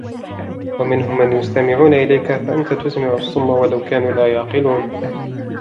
وَمِنْهُمْ مَنْ يَسْتَمِعُونَ إِلَيْكَ أَفَأَنْتَ تُسْمِعُ الصُّمَّ وَلَوْ كَانُوا لَا يَعْقِلُونَ